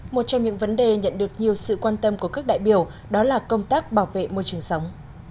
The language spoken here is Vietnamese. một trong những vấn đề nhận được nhiều sự quan tâm của các đại biểu đó là công tác bảo vệ môi trường sống